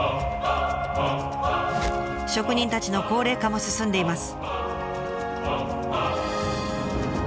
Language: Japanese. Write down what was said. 職人たちの高齢化も進んでいます。